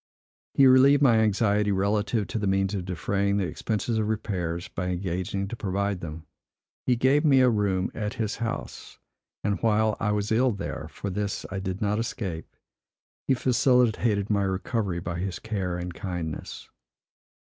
He relieved my anxiety relative to the means of defraying the expenses of repairs, by engaging to provide them. He gave me a room at his house; and while I was ill there (for this I did not escape) he facilitated my recovery by his care and kindness.